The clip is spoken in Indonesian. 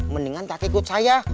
mendingan kakek ikut saya